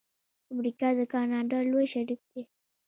امریکا د کاناډا لوی شریک دی.